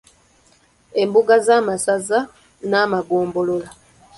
Embuga z'amasaza n'amagombolola.